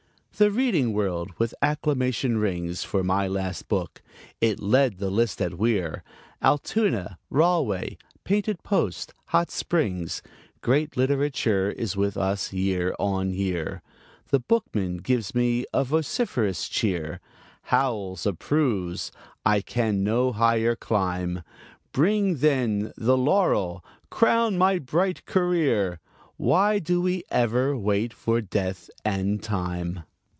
The reading world with acclamation rings For my last book. It led the list at Weir, Altoona, Rahway, Painted Post, Hot Springs: Great literature is with us year on year. "The Bookman" gives me a vociferous cheer. Howells approves. I can no higher climb. Bring, then, the laurel: crown my bright career Why do we ever wait for Death and Time?